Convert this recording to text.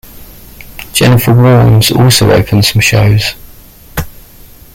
Jennifer Warnes also opened some shows.